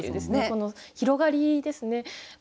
この広がりですね